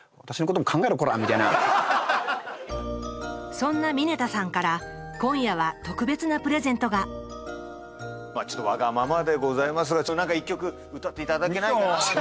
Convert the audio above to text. そんな峯田さんから今夜は特別なプレゼントがちょっとわがままでございますが何か１曲歌って頂けないかなみたいな。